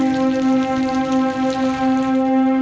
bantu yang lama kerja